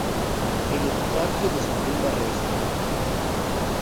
El epitafio de su tumba reza,